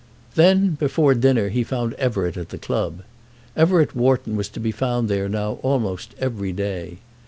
Then, before dinner, he found Everett at the club. Everett Wharton was to be found there now almost every day.